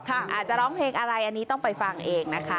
อาจจะร้องเพลงอะไรอันนี้ต้องไปฟังเองนะคะ